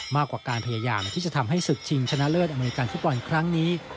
มากกว่าการพยายามที่จะทำให้ศึกชิงชนะเลิศอเมริกันฟุตบอลครั้งนี้